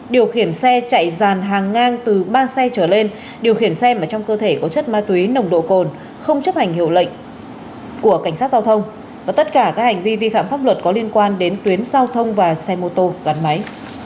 điều khiển xe chạy dàn hàng ngang từ ba xe trở lên điều khiển xe mà trong cơ thể có chất ma túy nồng độ cồn không chấp hành hiệu lệnh của cảnh sát giao thông và tất cả các hành vi vi phạm pháp luật có liên quan đến tuyến giao thông và xe mô tô gắn máy